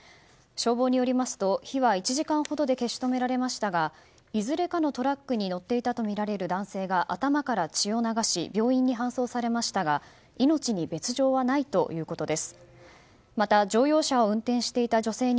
消防によりますと火は１時間ほどで消し止められましたがいずれかのトラックに乗っていたとみられる男性が頭から血を流し病院に搬送されましたが命に別条はないということです。